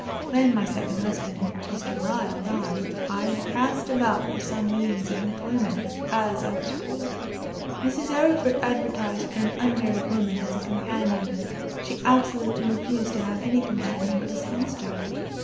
When my second husband, Mr. Lyle, died, I cast about for some means of employment, as I was poor. Mrs. Arryford advertised for an unmarried woman as a companion; she absolutely refused to have any companion but a spinster.